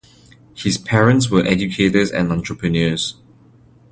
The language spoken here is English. His parents were educators and entrepreneurs.